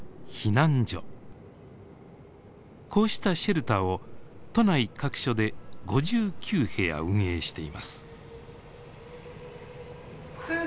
こうしたシェルターを都内各所で５９部屋運営しています。